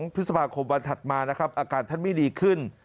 พฤษภาคมวันถัดมานะครับอาการท่านไม่ดีขึ้น